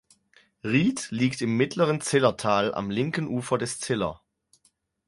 Ried liegt im mittleren Zillertal, am linken Ufer des Ziller.